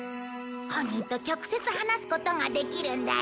本人と直接話すことができるんだよ。